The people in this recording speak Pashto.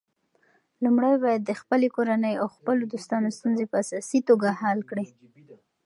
لومړی باید د خپلې کورنۍ او خپلو دوستانو ستونزې په اساسي توګه حل کړې.